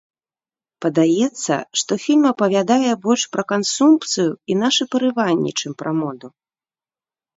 Падаецца, што фільм апавядае больш пра кансумпцыю і нашыя парыванні, чым пра моду.